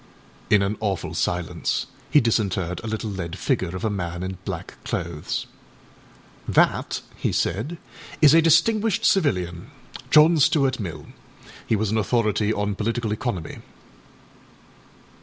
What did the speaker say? â In an awful silence he disinterred a little lead figure of a man in black clothes. âThat,â he said, âis a distinguished civilian, John Stuart Mill. He was an authority on political economy.